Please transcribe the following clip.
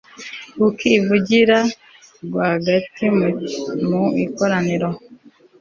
bukivugira rwagati mu ikoraniro